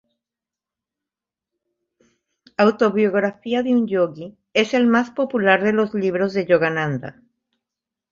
Autobiografía de un Yogui es el más popular de los libros de Yogananda.